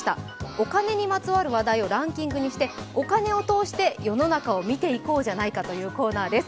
お金にまつわる話題をランキングにしてお金を通して世の中を見ていこうじゃないかというコーナーです。